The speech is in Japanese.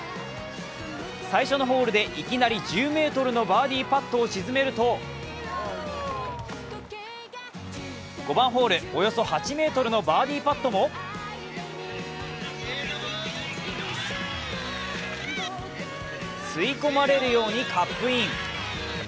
最初のホールでいきなり１０ｍのバーディーパットを沈めると５番ホール、およそ８ｍのバーディーパットを吸い込まれるようにカップイン。